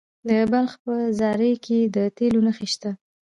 د بلخ په زاري کې د تیلو نښې شته.